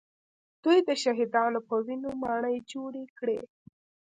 دوی د شهیدانو په وینو ماڼۍ جوړې کړې